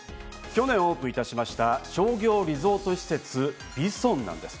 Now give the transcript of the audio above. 去年オープンいたしました商業リゾート施設ＶＩＳＯＮなんです。